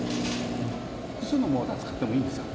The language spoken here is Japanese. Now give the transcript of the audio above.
複数のモーター使ってもいいんですよ。